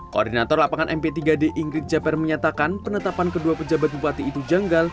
koordinator lapangan mp tiga d ingrid japer menyatakan penetapan kedua pejabat bupati itu janggal